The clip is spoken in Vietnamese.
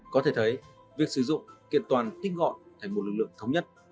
có thể thấy việc sử dụng kiện toàn thích gọi thành một lực lượng thống nhất